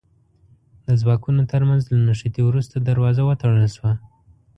د ځواکونو تر منځ له نښتې وروسته دروازه وتړل شوه.